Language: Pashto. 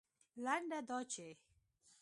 لنډه دا چې